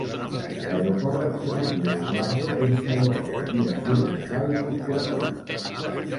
L'aeroport executiu d'Orlando és un aeroport d'aviació general i corporativa.